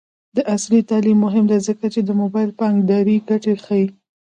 عصري تعلیم مهم دی ځکه چې د موبايل بانکدارۍ ګټې ښيي.